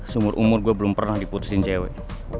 seumur umur gue belum pernah diputusin cewek